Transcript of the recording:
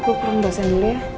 aku kurang dosen dulu ya